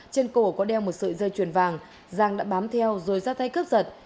trên cổ có đeo một sợi dây chuyền vàng giang đã bám theo rồi ra tay cướp giật